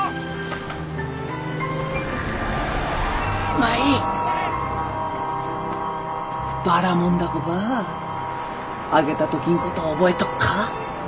舞ばらもん凧ばあげた時んこと覚えとっか？